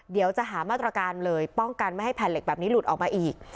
เดี๋ยวจะหามาตรการเลยป้องกันไม่ให้แผ่นเหล็กแบบนี้หลุดออกมาอีก